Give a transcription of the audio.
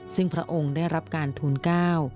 ซึ่งพระองค์ได้รับการทูลก้าว